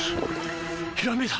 ひらめいた！